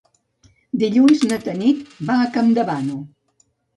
Dilluns na Tanit va a Campdevànol.